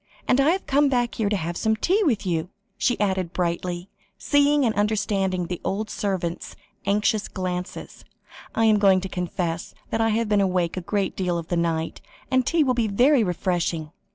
And I have come back here to have some tea with you," she added brightly, seeing and understanding the old servant's anxious glances. "I am going to confess that I have been awake a great deal of the night, and tea will be very refreshing."